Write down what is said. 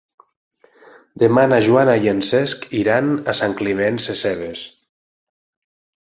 Demà na Joana i en Cesc iran a Sant Climent Sescebes.